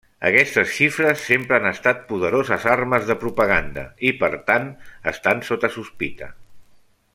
Aquestes xifres sempre han estat poderoses armes de propaganda, i per tant estan sota sospita.